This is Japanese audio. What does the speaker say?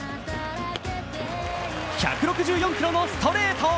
１６４キロのストレート。